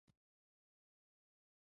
قریشي صاحب راغی او ټینګار یې وکړ.